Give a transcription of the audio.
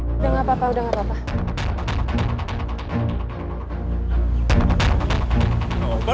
udah nggak apa apa udah gak apa apa